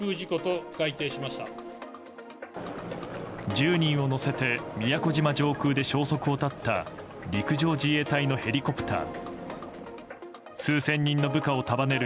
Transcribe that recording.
１０人を乗せて宮古島上空で消息を絶った陸上自衛隊のヘリコプター。